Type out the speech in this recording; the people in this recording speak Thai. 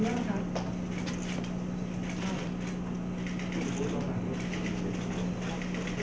อ๋อไม่มีพิสิทธิ์